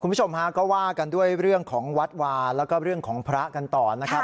คุณผู้ชมฮะก็ว่ากันด้วยเรื่องของวัดวาแล้วก็เรื่องของพระกันต่อนะครับ